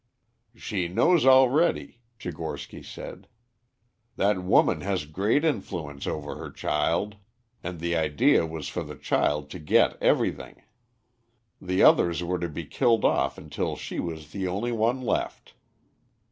"She knows already," Tchigorsky said. "That woman has great influence over her child. And the idea was for the child to get everything. The others were to be killed off until she was the only one left.